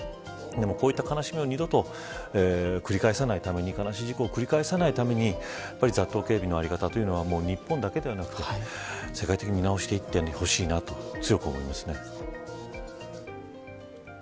でもこういった悲しみを二度と繰り返さないために悲しい事故を繰り返さないために雑踏警備のあり方というのは日本だけではなくて世界的に見直していくべきだと強く思います。